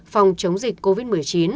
phòng chống dịch covid một mươi chín